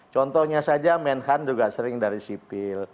contohnya saja menhan juga sering dari sipil